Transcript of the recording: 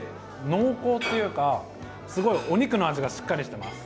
濃厚っていうかすごいお肉の味がしっかりしてます。